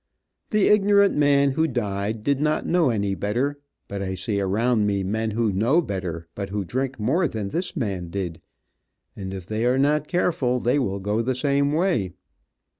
The ignorant man who died, did not know any better, but I see around me men who know better, but who drink more than this man did, and if they are not careful they will go the same way.